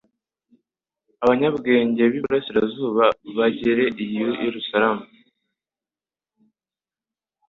Abanyabwenge b'i burasirazuba bagera i Yerusalemu